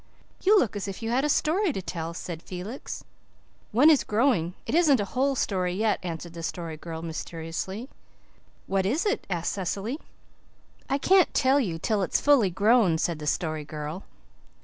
"You look as if you had a story to tell," said Felix. "One is growing. It isn't a whole story yet," answered the Story Girl mysteriously. "What is it?" asked Cecily. "I can't tell you till it's fully grown," said the Story Girl.